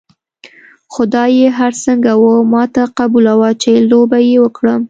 خو دا چې هر څنګه وه ما ته قبوله وه چې لوبه یې وکړم.